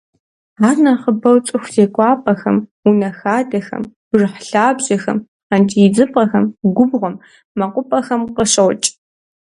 Ар нэхъыбэу цӏыху зекӏуапӏэхэм, унэ хадэхэм, бжыхь лъабжьэхэм, пхъэнкӏий идзыпӏэхэм, губгъуэм, мэкъупӏэхэм къыщокӏ.